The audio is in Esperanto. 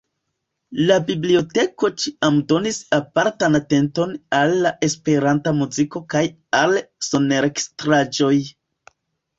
La biblioteko ĉiam donis apartan atenton al la esperanta muziko kaj al sonregistraĵoj.